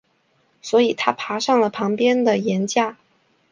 所以他爬上了旁边的岩架。